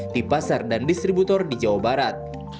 di pasar dan distributor di jawa barat